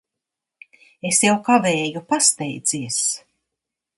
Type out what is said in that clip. Es jau kavēju. Pasteidzies!